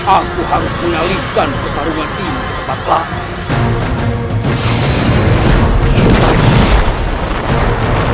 aku harus mengalihkan pertarungan ini ke tempat lain